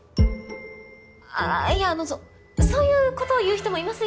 あぁいやあのそそういうことを言う人もいます